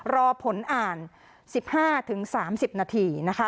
รอผลอ่าน๑๕๓๐นาทีนะคะ